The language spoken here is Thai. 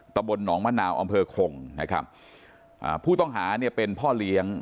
บลหนองมะนาวอำเภอคงนะครับอ่าผู้ต้องหาเนี่ยเป็นพ่อเลี้ยง